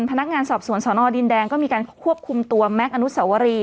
พนักงานสอบสวนสนดินแดงก็มีการควบคุมตัวแม็กซ์อนุสวรี